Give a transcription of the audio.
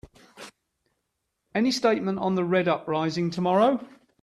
Any statement on the Red uprising tomorrow?